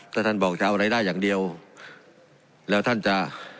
ถ้าท่านบอกจะเอารายได้อย่างเดียวแล้วท่านจะ